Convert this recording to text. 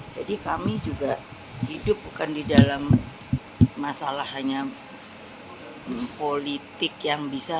jadi kami juga hidup bukan di dalam masalah hanya politik yang bisa